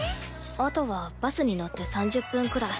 あとはバスに乗って３０分くらい。